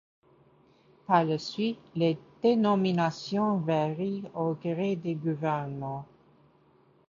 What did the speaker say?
Par la suite, les dénominations varient au gré des gouvernements.